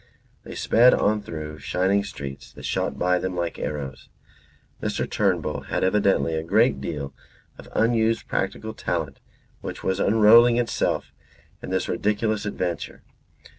They sped on through shining streets that shot by them like arrows. Mr. Turnbull had evidently a great deal of unused practical talent which was unrolling itself in this ridiculous adventure.